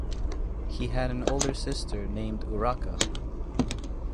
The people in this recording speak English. He had an older sister named Urraca.